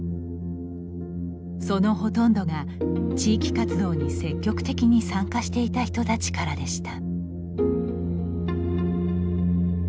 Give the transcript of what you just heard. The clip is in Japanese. そのほとんどが、地域活動に積極的に参加していた人たちからでした。